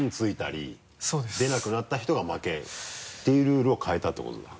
出なくなった人が負けっていうルールを変えたってことだ。